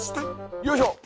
よいしょ！